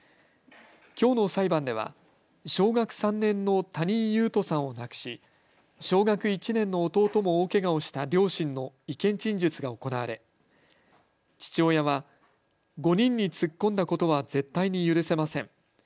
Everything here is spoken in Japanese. きょうの裁判では小学３年の谷井勇斗さんを亡くし小学１年の弟も大けがをした両親の意見陳述が行われ父親は５人に突っ込んだことは絶対に許せません。